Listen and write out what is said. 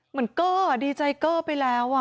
เหมือนก็อ่ะดีใจเกอร์ไปแล้วอ่ะ